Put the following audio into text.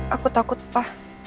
aku takut pa